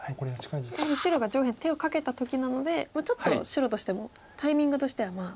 やはり白が上辺手をかけた時なのでちょっと白としてもタイミングとしてはまあ。